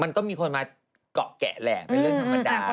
มันก็มีคนมาเกาะแกะแหละเป็นเรื่องธรรมดา